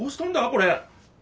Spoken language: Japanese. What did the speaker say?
これ。